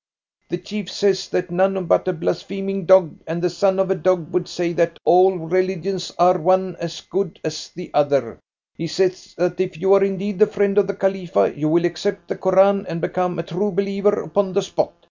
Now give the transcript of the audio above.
"The chief says that none but a blaspheming dog and the son of a dog would say that all religions are one as good as the other. He says that if you are indeed the friend of the Khalifa, you will accept the Koran and become a true believer upon the spot.